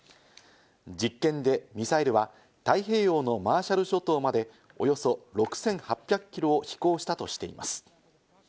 実験でミサイルは太平洋のマーシャル諸島までおよそ６８００キロを飛行したとしています。